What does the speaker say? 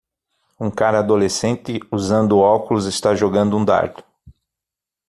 Um cara adolescente usando óculos está jogando um dardo.